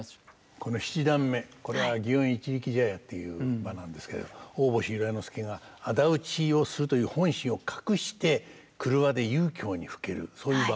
この七段目これは「園一力茶屋」っていう場なんですけど大星由良之助が仇討をするという本心を隠して廓で遊興にふけるそういう場面で。